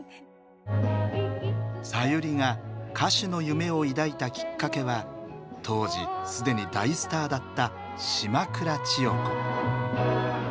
さゆりが歌手の夢を抱いたきっかけは当時既に大スターだった島倉千代子。